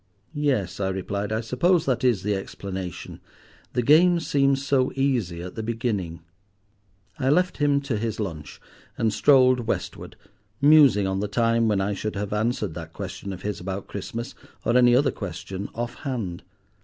"Yes," I replied; "I suppose that is the explanation. The game seems so easy at the beginning." I left him to his lunch, and strolled westward, musing on the time when I should have answered that question of his about Christmas, or any other question, off hand.